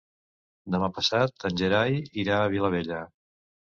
Demà passat en Gerai irà a Vilabella.